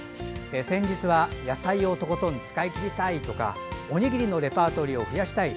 先日は野菜をとことん使い切りたいとかおにぎりのレパートリーを増やしたい